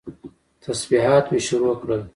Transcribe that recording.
تسبيحات مې شروع کړل.